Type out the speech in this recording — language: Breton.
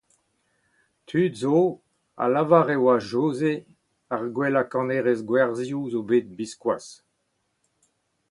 Tud zo a lavar e oa Joze ar gwellañ kanerez gwerzioù zo bet biskoazh.